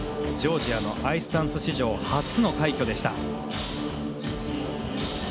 ジョージアのアイスダンス史上初の快挙でした。